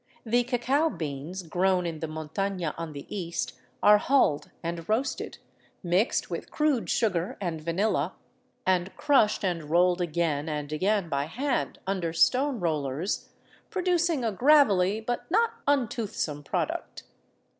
The cacao beans grown in the montana on the east are hulled and roasted, mixed with crude sugar and vanilla, and crushed and rolled again and again by hand under stone rollers, producing a gravelly, but not untoothsome product.